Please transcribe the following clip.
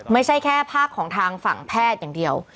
ไม่ใช่แค่ภาคของทางฝั่งแพทย์อย่างเดียว